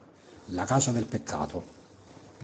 La casa del peccato